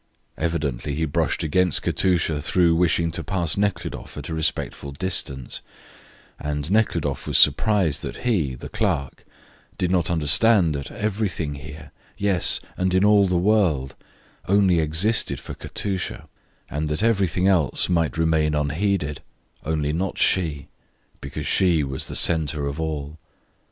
Evidently he brushed against Katusha through wishing to pass Nekhludoff at a respectful distance, and Nekhludoff was surprised that he, the clerk, did not understand that everything here, yes, and in all the world, only existed for Katusha, and that everything else might remain unheeded, only not she, because she was the centre of all.